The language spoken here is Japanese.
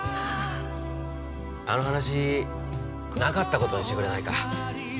あの話なかったことにしてくれないか。